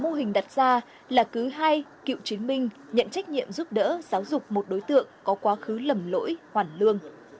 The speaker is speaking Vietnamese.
mô hình được công an phường và hội cựu chiến binh nhận trách nhiệm giúp đỡ giáo dục một đối tượng có quá khứ lầm lỗi hoàn lương